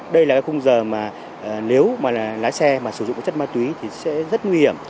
đây là khung giờ mà nếu lái xe sử dụng chất ma túy thì sẽ rất nguy hiểm